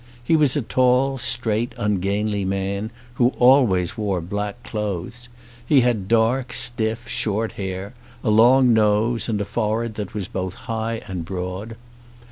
He was a tall, straight, ungainly man, who always wore black clothes. He had dark, stiff, short hair, a long nose, and a forehead that was both high and broad.